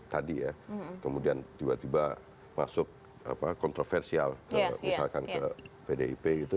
tadi ya kemudian tiba tiba masuk kontroversial misalkan ke pdip gitu